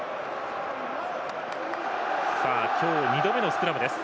今日２度目のスクラムです。